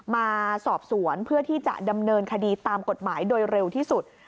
มาสอบสวนเพื่อที่จะดำเนินคดีตามกฎหมายโดยเร็วที่สุด